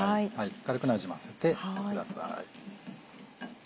軽くなじませてください。